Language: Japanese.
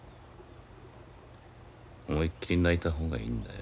思いっきり泣いた方がいいんだよ。